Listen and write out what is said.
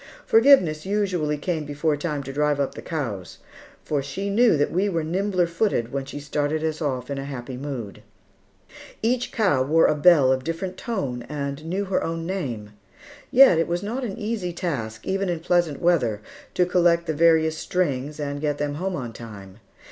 Forgiveness usually came before time to drive up the cows, for she knew that we were nimbler footed when she started us off in happy mood. Each cow wore a bell of different tone and knew her own name; yet it was not an easy task, even in pleasant weather, to collect the various strings and get them home on time.